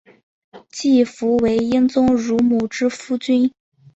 季福为英宗乳母之夫君。